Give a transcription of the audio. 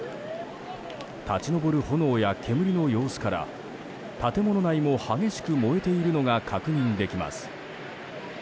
立ち上る炎や煙の様子から建物内も激しく燃えているのが確認できます。